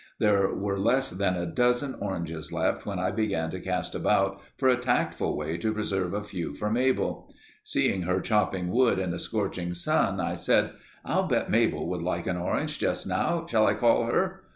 There were less than a dozen oranges left when I began to cast about for a tactful way to preserve a few for Mabel. Seeing her chopping wood in the scorching sun I said, "I'll bet Mabel would like an orange just now. Shall I call her?"